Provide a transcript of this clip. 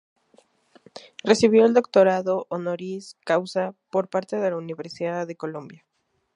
Recibió el doctorado "Honoris Causa" por parte de la Universidad de Columbia.